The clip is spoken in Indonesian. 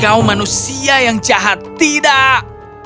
kau manusia yang jahat tidak